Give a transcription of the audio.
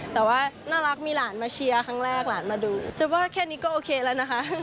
แต่ว่าน่ารักมีหลานมาเชียร์ครั้งแรกหลานมาดูจะว่าแค่นี้ก็โอเคแล้วนะคะ